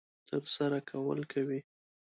ترسره کول کوي.